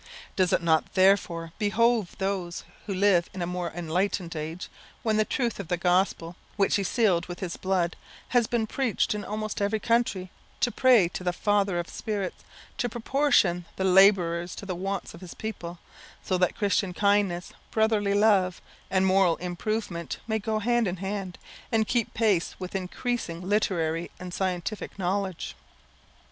Does it not, therefore, behove those who live in a more enlightened age when the truth of the Gospel, which he sealed with his blood, has been preached in almost every country to pray the Father of Spirits to proportion the labourers to the wants of his people, so that Christian kindness, brotherly love, and moral improvement, may go hand in hand, and keep pace with increasing literary and scientific knowledge?